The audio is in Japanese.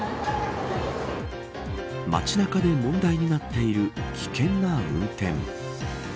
街中で問題になっている危険な運転。